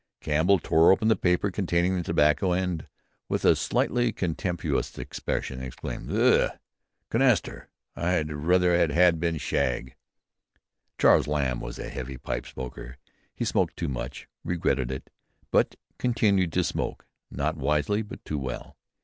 Campbell tore open the paper containing the tobacco, and, with a slightly contemptuous expression, exclaimed, "Ugh! C'naster! I'd rather it had been shag!" Charles Lamb was a heavy pipe smoker. He smoked too much regretted it but continued to smoke, not wisely but too well.